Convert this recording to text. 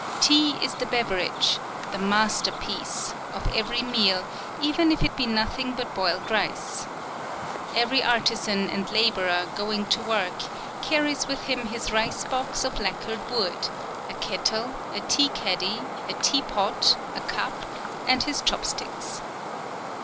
Tea is the beverage the masterpiece of every meal, even if it be nothing but boiled rice. Every artisan and laborer, going to work, carries with him his rice box of lacquered wood, a kettle, a tea caddy, a tea pot, a cup, and his chop sticks.